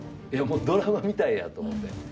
もうドラマみたいやと思って。